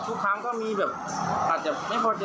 ทุกครั้งก็มีแบบอาจจะไม่พอใจ